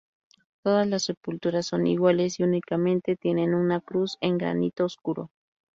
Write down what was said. Todas las sepulturas son iguales y únicamente tienen una cruz en granito oscuro.